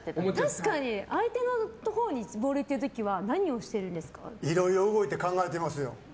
確かに相手のところにボール行ってる時はいろいろ動いて考えてますよ。